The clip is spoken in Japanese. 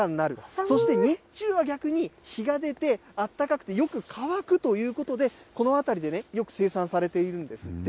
そして日中は逆に日が出てあったかくて、よく乾くということで、この辺りでよく生産されているんですって。